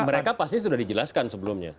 mereka pasti sudah dijelaskan sebelumnya